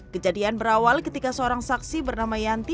kejadian berawal ketika seorang saksi bernama yanti